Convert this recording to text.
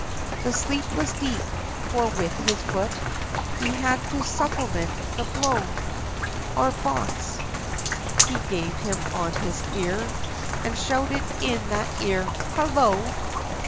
The sleep was deep, for with his foot, He had to supplement the blow, Or box, he gave him on his ear, And shouted in that ear "Hello!